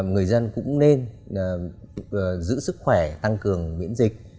người dân cũng nên giữ sức khỏe tăng cường miễn dịch